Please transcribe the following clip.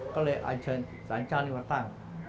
ก็เลยอันเชิญสารเจ้านี้มาตั้ง